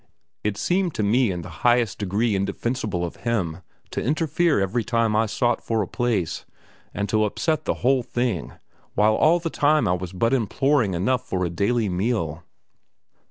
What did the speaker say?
It seemed to me in the highest degree indefensible of Him to interfere every time I sought for a place, and to upset the whole thing, while all the time I was but imploring enough for a daily meal.